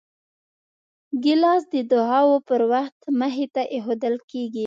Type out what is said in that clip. ګیلاس د دعاو پر وخت مخې ته ایښودل کېږي.